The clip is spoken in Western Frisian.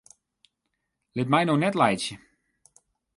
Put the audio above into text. Lit my no net laitsje!